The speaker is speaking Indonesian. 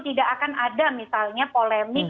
tidak akan ada misalnya polemik